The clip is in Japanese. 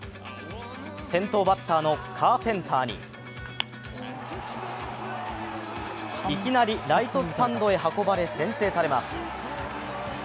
先頭バッターのカーペンターにいきなりライトスタンドへ運ばれ、先制されます。